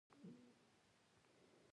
افغانستان د لويو سلطنتونو کوربه و.